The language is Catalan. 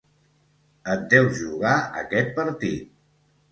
Et deus jugar aquest partit.